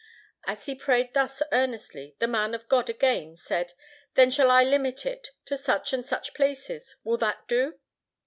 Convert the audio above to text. As he prayed thus earnestly the Man of God again said, "Then shall I limit it to such and such places. Will that do?"